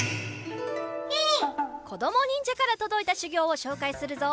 こどもにんじゃからとどいたしゅぎょうをしょうかいするぞ！